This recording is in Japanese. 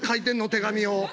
手紙を。